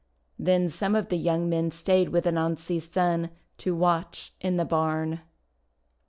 Then some of the young men stayed with Anansi's son to watch in the barn.